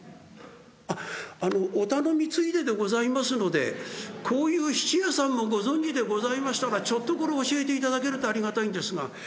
あっあのお頼みついででございますのでこういう質屋さんをご存じでございましたらちょっところ教えていただけるとありがたいんですが。